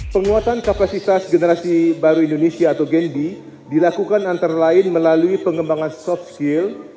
penguatan kapasitas generasi baru indonesia atau gendi dilakukan antara lain melalui pengembangan soft skill